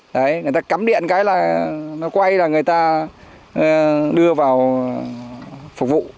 đấy người ta cắm điện cái là nó quay là người ta đưa vào phục vụ